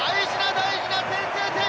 大事な先制点！